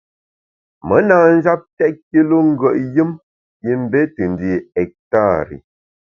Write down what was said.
Me na njap tèt kilu ngùet yùm yim mbe te ndi ektari.